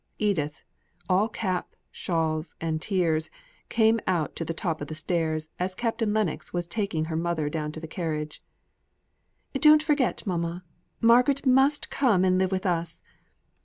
Edith, all cap, shawl, and tears, came out to the top of the stairs, as Captain Lennox was taking her mother down to the carriage: "Don't forget, mamma; Margaret must come and live with us.